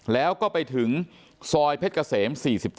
แล้วก็ไปถึงซอยเพชรเกษม๔๗